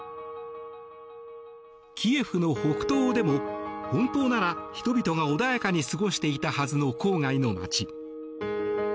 キエフの北東でも本当なら人々が穏やかに過ごしていたはずの郊外の街。